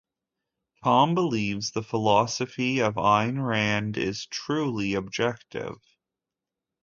Tom believes the philosophy of Ayn Rand is truly objective.